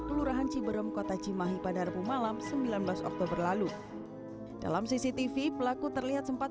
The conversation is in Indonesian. kelurahan ciberem kota cimahi pada rabu malam sembilan belas oktober lalu dalam cctv pelaku terlihat sempat